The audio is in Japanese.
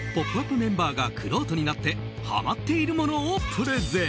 メンバーがくろうとになってハマっているものをプレゼン！